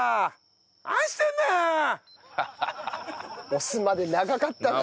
押すまで長かったな。